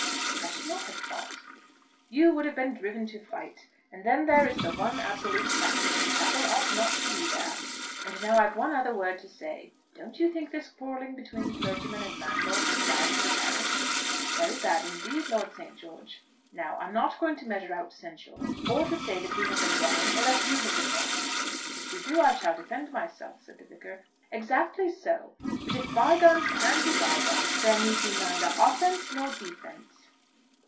"I should not have fought." "You would have been driven to fight. And then there is the one absolute fact; the chapel ought not to be there. And now I've one other word to say. Don't you think this quarrelling between clergyman and landlord is bad for the parish?" "Very bad indeed, Lord St. George." "Now I'm not going to measure out censure, or to say that we have been wrong, or that you have been wrong." "If you do I shall defend myself," said the Vicar. "Exactly so. But if bygones can be bygones there need be neither offence nor defence."